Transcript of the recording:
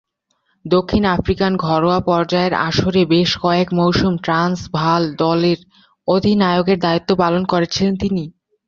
দক্ষিণ আফ্রিকান ঘরোয়া পর্যায়ের আসরে বেশ কয়েক মৌসুম ট্রান্সভাল দলের অধিনায়কের দায়িত্ব পালন করেছিলেন তিনি।